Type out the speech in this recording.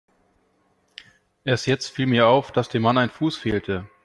Erst jetzt fiel mir auf, dass dem Mann ein Fuß fehlte.